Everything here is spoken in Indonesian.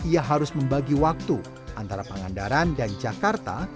ia harus membagi waktu antara pangandaran dan jakarta